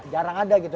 jarang ada gitu